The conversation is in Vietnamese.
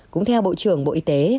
cũng theo bộ trưởng bộ y tế